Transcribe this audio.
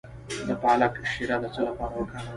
د پالک شیره د څه لپاره وکاروم؟